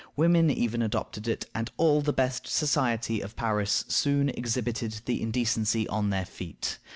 Women even adopted it, and all the best society of Paris soon exhibited the indecency on their feet.